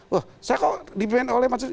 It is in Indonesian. wah saya kok dipimpin oleh maksudnya